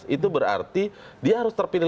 itu berarti dia harus terpilih